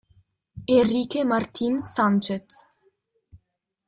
Enrique Martín Sánchez